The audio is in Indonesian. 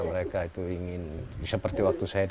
mereka itu ingin seperti waktu saya